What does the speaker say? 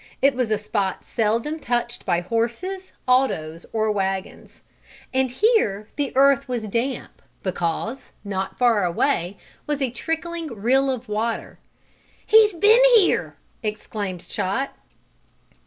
It was a spot seldom touched by horses, autos or wagons. And here the earth was damp because, not far away, was a trickling rill of water. "He's been here!" exclaimed Chot.